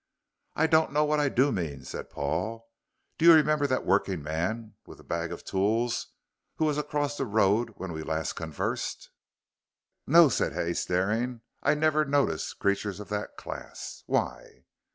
"I don't know what I do mean," said Paul. "Do you remember that working man with the bag of tools who was across the road when we last conversed?" "No," said Hay, staring, "I never notice creatures of that class. Why?"